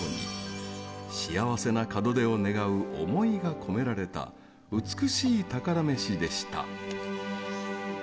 幸せな門出を願う思いが込められた美しい宝メシでした。